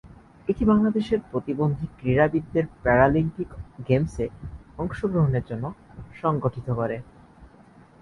এটি বাংলাদেশের প্রতিবন্ধী ক্রীড়াবিদদের প্যারালিম্পিক গেমসে অংশগ্রহণের জন্য সংগঠিত করে।